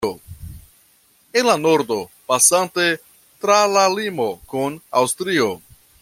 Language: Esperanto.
En la nordo, pasante tra la limo kun Aŭstrio.